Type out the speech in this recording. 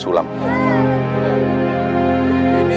untuk yang ini